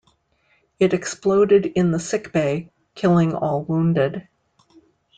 It exploded in the sick bay, killing all wounded.